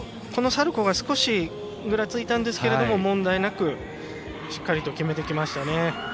このサルコウが少しぐらついたんですけども問題なくしっかりと決めてきましたね。